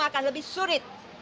akan lebih surit